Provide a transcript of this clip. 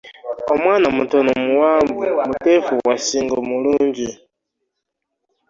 Omwana mutono muwanvu muteefu wa ssingo mulunji .